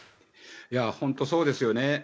本当にそうですよね。